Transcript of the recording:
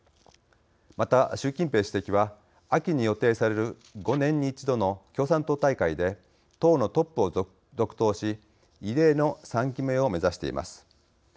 また習近平主席は秋に予定される５年に一度の共産党大会で党のトップを続投し異例の３期目を目指しています。